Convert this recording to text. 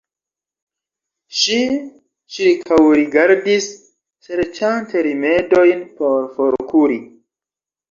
Ŝi ĉirkaŭrigardis, serĉante rimedojn por forkuri.